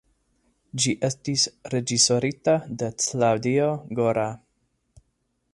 Ĝi estis reĝisorita de Claudio Gora.